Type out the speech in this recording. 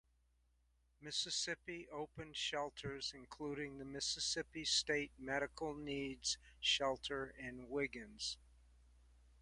Mississippi opened shelters including the Mississippi State Medical Needs Shelter in Wiggins.